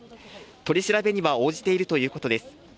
取り調べには応じているということです。